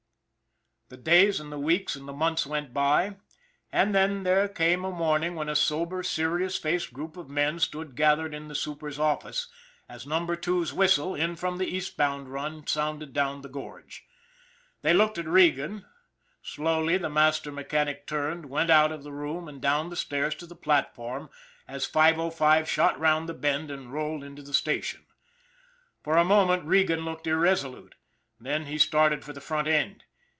The days and the weeks and the months went by, and then there came a morning when a sober , serious faced group of men stood gathered in the super's office, as Number Two's whistle, in from the Eastbound run, sounded down the gorge. They looked at Regan. Slowly, the master mechanic turned, went out of the room and down the stairs to the platform, as 505 shot round the bend and rolled into the station. For a mo ment Regan stood irresolute, then he started for the front end.